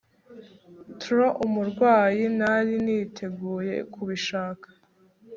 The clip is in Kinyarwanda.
Thro uburwayi Nari niteguye kubishaka